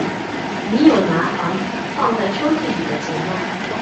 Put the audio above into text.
你有拿放在抽屉里的钱吗？